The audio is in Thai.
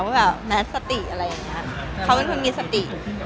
แบบแมทสติอะไรอย่างนี้เขาเป็นคนมีสติ